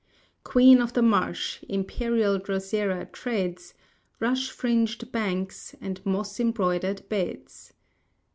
Queen of the Marsh, imperial Drosera treads Rush fringed banks, and moss embroidered beds.